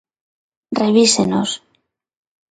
Revísenos.